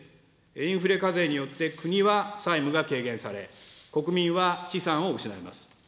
インフレ課税によって、国は債務が軽減され、国民は資産を失います。